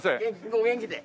お元気で。